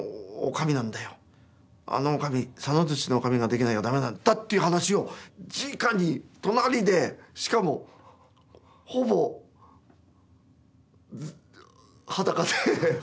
「あの女将佐野槌の女将ができないとだめなんだ」っていう話をじかに隣でしかもほぼ裸で。